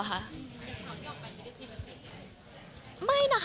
มันเป็นข่าวอย่างนี้บีปกติหรือไง